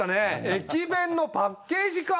駅弁のパッケージか。